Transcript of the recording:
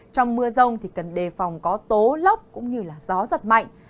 trong mưa rông thì cần đề phòng có tố lốc cũng như gió giật mạnh